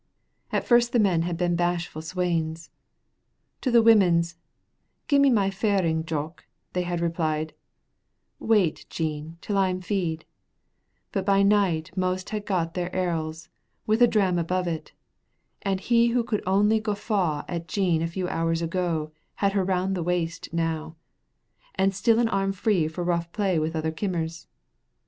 At first the men had been bashful swains. To the women's "Gie me my faring, Jock," they had replied, "Wait, Jean, till I'm fee'd," but by night most had got their arles, with a dram above it, and he who could only guffaw at Jean a few hours ago had her round the waist now, and still an arm free for rough play with other kimmers.